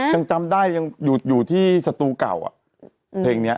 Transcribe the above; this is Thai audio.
จึงจำได้ยังอยู่ที่สตูเก่าอะ